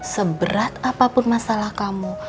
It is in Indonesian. seberat apapun masalah kamu